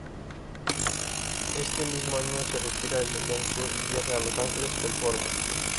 Este mismo año se retira del elenco y viaja a Los Ángeles, California.